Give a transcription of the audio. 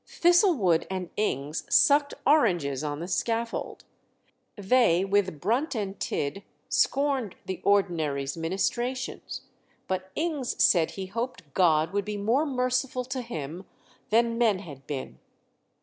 Thistlewood and Ings sucked oranges on the scaffold; they with Brunt and Tidd scorned the ordinary's ministrations, but Ings said he hoped God would be more merciful to him than men had been.